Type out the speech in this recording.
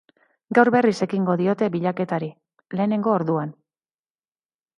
Gaur berriz ekingo diote bilaketari, lehenengo orduan.